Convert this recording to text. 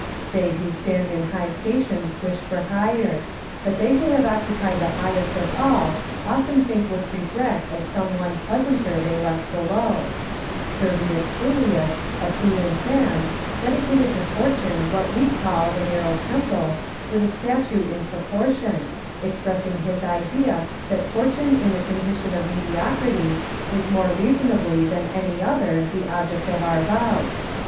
They who stand in high stations wish for higher ; but they who have occupied the highest of all often think with regret of some one pleasantcr MARCUS TULLIUS AND QUINCTUS CICERO. 333 they left below, Servius Tullius, a prudent man, dedicated to Fortune what we call the narrow temple, with a statue in proportion, expressing his idea that Fortune in the con dition of mediocrity is more reasonably than any other the object of our vows.